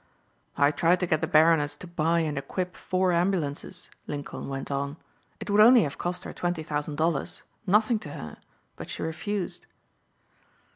"I tried to get the Baroness to buy and equip four ambulances," Lincoln went on. "It would only have cost her twenty thousand dollars nothing to her but she refused."